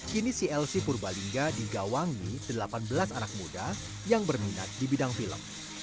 kini clc purbalingga digawangi delapan belas anak muda yang berminat di bidang film